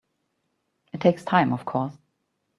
It takes time of course.